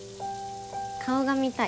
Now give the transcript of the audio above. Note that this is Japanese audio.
顔が見たい。